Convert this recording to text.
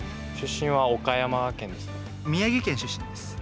宮城県出身です。